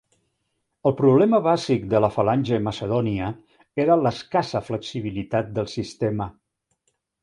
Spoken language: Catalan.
El problema bàsic de la falange macedònia era l'escassa flexibilitat del sistema.